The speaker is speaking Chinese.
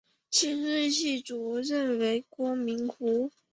现任系主任为郭明湖。